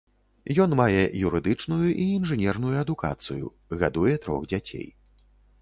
Ён мае юрыдычную і інжынерную адукацыю, гадуе трох дзяцей.